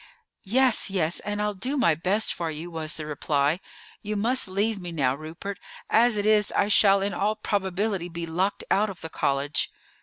"Yes, yes; and I'll do my best for you," was the reply. "You must leave me now, Rupert. As it is, I shall in all probability be locked out of the college."